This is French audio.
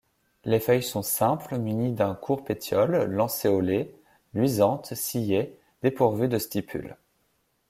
Les feuilles sont simples, munies d'un court pétiole, lancéolées, luisantes, ciliées, dépourvues de stipules.